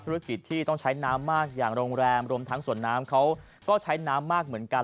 ธุรกิจที่ต้องใช้น้ำมากอย่างโรงแรมรวมทั้งสวนน้ำเขาก็ใช้น้ำมากเหมือนกัน